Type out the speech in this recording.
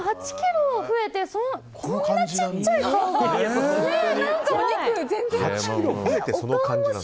８ｋｇ増えてこんなちっちゃい、顔が。